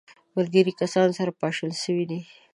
ملګري کسان سره پاشل سوي دي.